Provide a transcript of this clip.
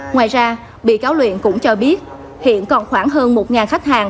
ngoài ra bị cáo luyện cũng cho biết hiện còn khoảng hơn một khách hàng